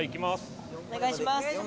・お願いします